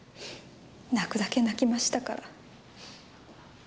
泣くだけ泣きましたから。